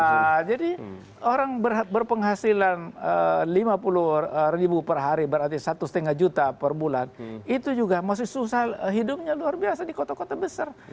nah jadi orang berpenghasilan lima puluh ribu per hari berarti satu lima juta per bulan itu juga masih susah hidupnya luar biasa di kota kota besar